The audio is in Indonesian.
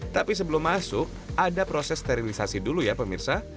tapi sebelum masuk ada proses sterilisasi dulu ya pemirsa